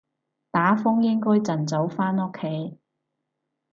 打風應該盡早返屋企